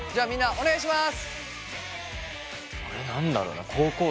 お願いします！